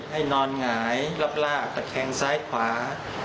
ให้นอนหงายรอบตะแคงซ้ายขวา